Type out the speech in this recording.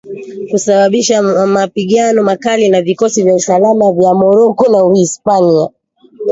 kusababisha mapigano makali na vikosi vya usalama vya Morocco na Uhispania